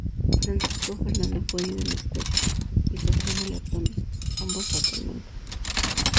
Francisco Fernando fue herido en el cuello, y Sofía en el abdomen, ambos fatalmente.